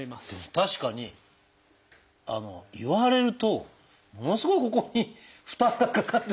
確かに言われるとものすごいここに負担がかかって。